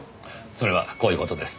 それはこういう事です。